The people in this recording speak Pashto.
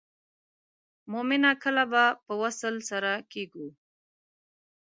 مومنه کله به په وصل سره کیږو.